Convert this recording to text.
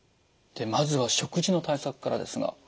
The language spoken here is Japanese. でまずは食事の対策からですが。